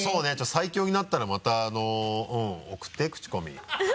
最強になったらまた送ってクチコミ。